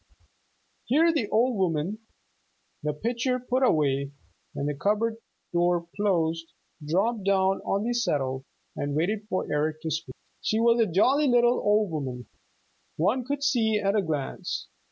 Here the old woman the pitcher put away, and the cupboard door closed dropped down on the settle and waited for Eric to speak. She was a jolly little old woman, one could see at a glance.